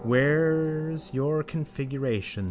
_ Where's your configuration?